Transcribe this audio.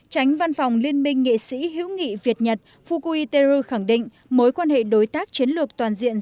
tránh văn phòng liên minh nghị sĩ hữu nghị việt nhật fukui teru khẳng định mối quan hệ đối tác chiến lược toàn diện